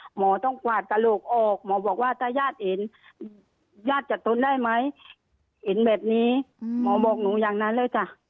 หมอต้องกวาดกระโหลกออกหมอบอกว่าถ้าญาติเห็นญาติจะทนได้ไหมเห็นแบบนี้หมอบอกหนูอย่างนั้นเลยจ้ะ